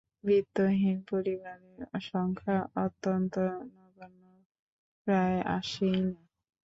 বৃত্তহীন পরিবারের সংখ্যা অত্যন্ত নগণ্য, প্রায় আসেই না।